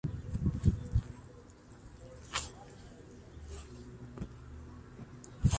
Salen volando por unos segundos… para luego caer sobre un transformador.